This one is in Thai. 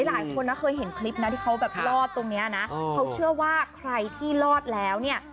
หลายคนนะเคยเห็นคลิปนะที่เขาแบบรอดตรงเนี้ยนะเขาเชื่อว่าใครที่รอดแล้วเนี่ย